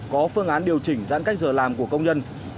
có phương án điều chỉnh giãn cách giờ làm của công nhân